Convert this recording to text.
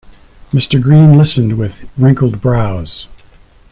Mr. Green listened with wrinkled brows.